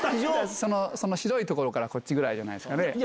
その白い所からこっちぐらいじゃないですかね。